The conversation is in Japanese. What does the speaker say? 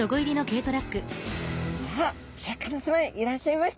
あっシャーク香音さまいらっしゃいました。